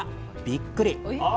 びっくり！